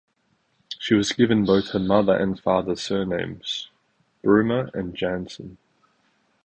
She was given both her mother and father's surnames: Beumer and Janssen.